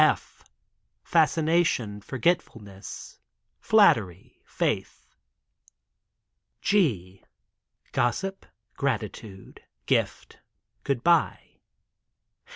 F — Fascination — Forgetfulness — Flattery — Faith. G — Gossip — Gratitude — Gift — Goodbye.